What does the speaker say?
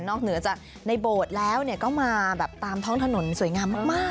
นอกเหนือจะในโบสถ์แล้วเนี่ยก็มาแบบตามท่องถนนสวยงามมาก